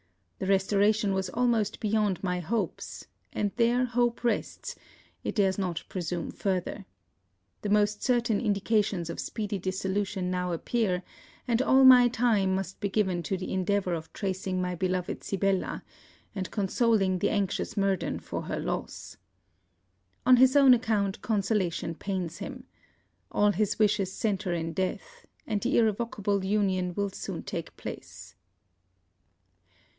That restoration was almost beyond my hopes; and there hope rests, it dares not presume further. The most certain indications of speedy dissolution now appear; and all my time must be given to the endeavour of tracing my beloved Sibella, and consoling the anxious Murden for her loss. On his own account, consolation pains him. All his wishes centre in death; and the irrevocable union will soon take place.